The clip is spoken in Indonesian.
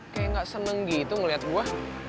kayak gak seneng gitu ngeliat gue